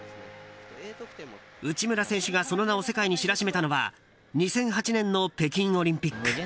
内村選手がその名を世界に知らしめたのは２００８年の北京オリンピック。